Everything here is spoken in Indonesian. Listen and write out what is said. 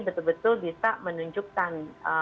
betul betul bisa menunjukkan